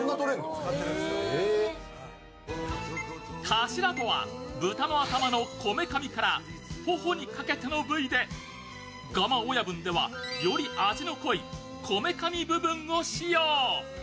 カシラとは豚の頭のこめかみから頬にかけての部位でがま親分では、より味の濃いこめかみ部分を使用。